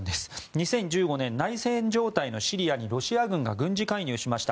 ２０１５年、内戦状態のシリアにロシア軍が軍事介入しました。